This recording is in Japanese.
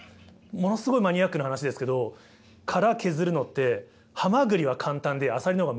ものすごいマニアックな話ですけど殻削るのってハマグリは簡単でアサリの方が難しいんですよ。